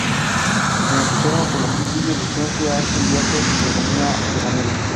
El entusiasmo por los estudios de ciencia, arte y viajes le venía de familia.